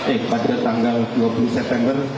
eh pada tanggal dua puluh september dua ribu sembilan belas